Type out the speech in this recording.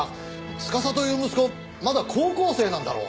司という息子はまだ高校生なんだろう？